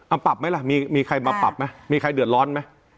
เอาปรับไหมล่ะมีใครมาปรับไหมมีใครเดือดร้อนไหม